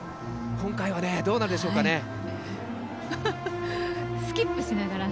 今回はどうなるでしょうかね。